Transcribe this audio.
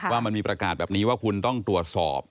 ว่ามันมีประกาศแบบนี้ว่าคุณต้องตรวจสอบ